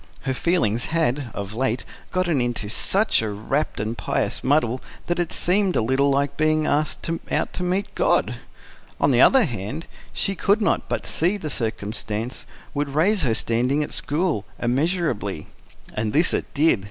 Her feelings had, of late, got into such a rapt and pious muddle that it seemed a little like being asked out to meet God. On the other hand, she could not but see that the circumstance would raise her standing at school, immeasurably. And this it did.